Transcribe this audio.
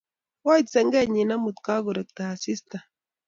koit sengenyi amut kogarekto asista